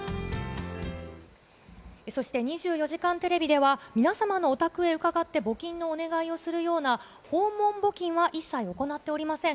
そして、２４時間テレビでは、皆様のお宅へ伺って募金のお願いをするような、訪問募金は一切行っておりません。